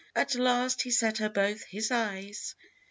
At last he set her both his eyes.